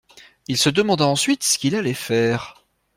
Il se demanda ensuite ce qu’il allait faire.